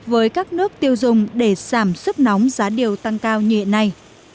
với các nước tiêu dùng để giảm sức nóng giá điều tăng cao như thế này